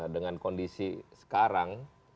dengan kondisi sekarang